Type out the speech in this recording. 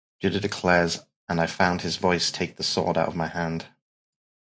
Judah declares, And I felt His voice take the sword out of my hand.